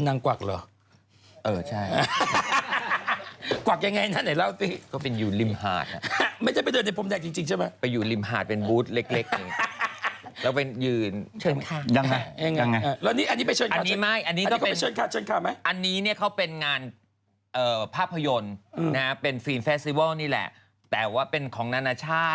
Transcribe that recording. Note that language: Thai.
ดาราคนอื่นไปขายของไหมไปหมายความว่าอะไร